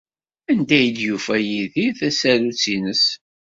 Anda ay d-yufa Yidir tasarut-nnes?